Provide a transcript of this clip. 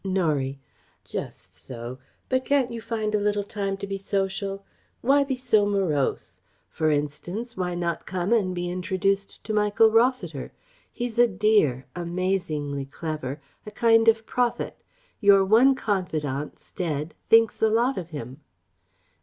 Norie: "Just so. But can't you find a little time to be social? Why be so morose? For instance, why not come and be introduced to Michael Rossiter? He's a dear amazingly clever a kind of prophet Your one confidant, Stead, thinks a lot of him."